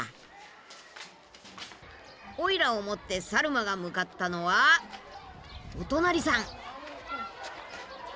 おいらを持ってサルマが向かったのはお隣さん！